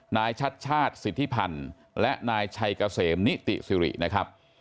นายชัดชาติสิทธิพันธ์และนายชัยเกษมนิติสิรินะครับ